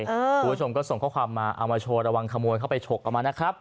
คุณผู้ชมก็ส่งข้อความมาเอามาโชว์ระวังขโมยเข้าไปฉกเอามานะครับ